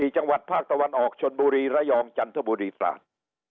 จังหวัดภาคตะวันออกชนบุรีระยองจันทบุรีตราด